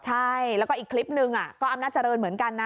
ใช่ก็อีกคลิปหนึ่งก็อำนาจรรย์เหมือนกันน่ะ